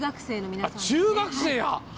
中学生や！